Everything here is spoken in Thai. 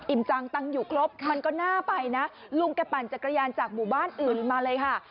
จังตังค์อยู่ครบมันก็น่าไปนะลุงแกปั่นจักรยานจากหมู่บ้านอื่นมาเลยค่ะ